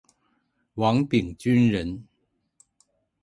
王秉鋆人。